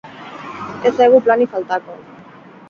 Ez zaigu planik faltako!